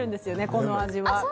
この味は。